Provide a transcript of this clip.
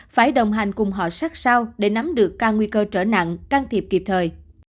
phải đồng hành cùng họ sát sao để nắm được các nguy cơ trở nặng can thiệp kịp thời